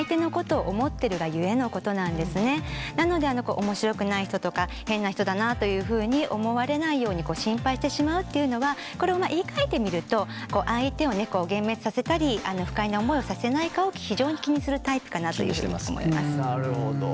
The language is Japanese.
なのでおもしろくない人とか変な人だなというふうに思われないように心配してしまうというのはこれを言いかえてみると相手を幻滅させたり不快な思いをさせないかを非常に気にするタイプかなというふうに思います。